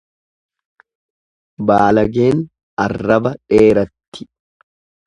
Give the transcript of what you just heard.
Baalageen arraba dheeratti.